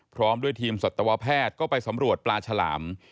พร้อมด้วยทีมสัตวแพทย์ก็ไปสำรวจปลาฉลาม